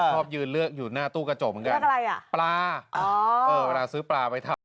ชอบยืนเลือกอยู่หน้าตู้กระจกเหมือนกันเป็นอะไรอ่ะปลาเวลาซื้อปลาไปทำ